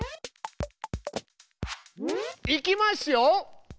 いきますよ。